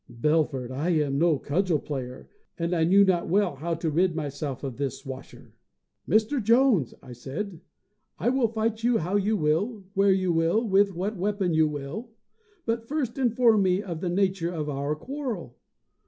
Belford, I am no cudgel player, and I knew not well how to rid myself of this swasher. "Mr. Jones!" I said, "I will fight you how you will, where you will, with what weapon you will; but first inform me of the nature of our quarrel.